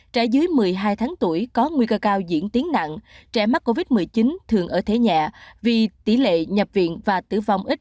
trẻ dưới một mươi hai tháng tuổi có nguy cơ cao diễn tiến nặng trẻ mắc covid một mươi chín thường ở thế nhẹ vì tỷ lệ nhập viện và tử vong ít